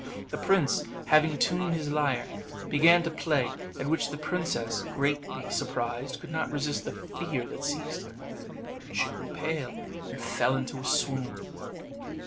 The prince having tuned his lyre, began to play, at which the princess, greatly surprised, could not resist the fear that seized her; she grew pale, and fell into a swoon.